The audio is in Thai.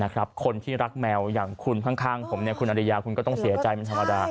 คนที่รักแมวอย่างคุณข้างผมคุณอริยาคุณก็ต้องเสียใจเป็นธรรมดา